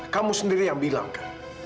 kamu sendiri yang bilang kan